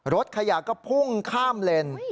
รถขยะก็พุ่งข้ามเลน